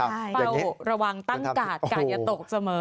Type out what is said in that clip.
เฝ้าระวังตั้งกาดกาดอย่าตกเสมอ